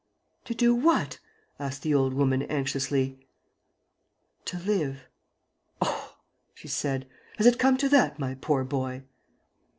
'" "To do what?" asked the old woman, anxiously. "To live. ..." "Oh!" she said. "Has it come to that, my poor boy?